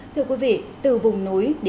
thưa quý vị từ vùng núi đến nơi này